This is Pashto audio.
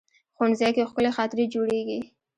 ښوونځی کې ښکلي خاطرې جوړېږي